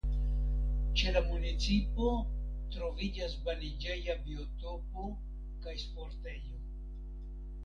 Ĉe la municipo troviĝas baniĝeja biotopo kaj sportejo.